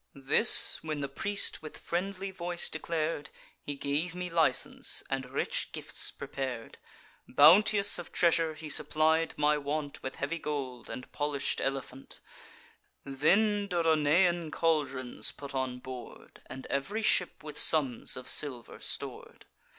"This when the priest with friendly voice declar'd, He gave me license, and rich gifts prepar'd: Bounteous of treasure, he supplied my want With heavy gold, and polish'd elephant; Then Dodonaean caldrons put on board, And ev'ry ship with sums of silver stor'd.